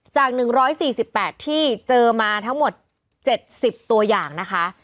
จาก๑๔๘ที่เจอมาทั้งหมด๗๐ตัวอย่างนะคะ